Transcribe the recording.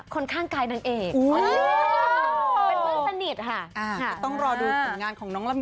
คนข้างกายนางเอกอุ้ยเป็นต้องรอดูผลงานของน้องลำ